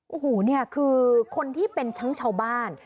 โอ้โหเนี่ยคือคนที่เป็นทั้งชาวบ้าน